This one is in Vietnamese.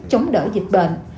chống đỡ dịch bệnh